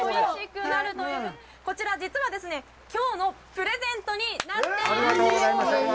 こちら、実は、きょうのプレゼントになっているんです！